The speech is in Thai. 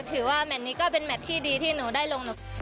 แมทนี้ก็เป็นแมทที่ดีที่หนูได้ลง